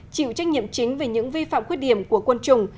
chịu trách nhiệm chính về những vi phạm khuyết điểm của quân chủng